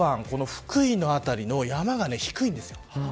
この福井の辺りの山が低いんです。